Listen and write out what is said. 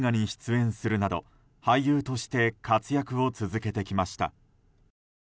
その後も数々のドラマや映画に出演するなど俳優として活躍を続けてきました。